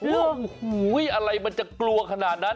แล้วอะไรมันจะกลัวขนาดนั้น